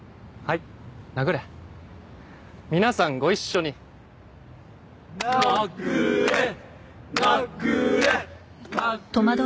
い殴れ皆さんご一緒に殴れ殴れ殴れ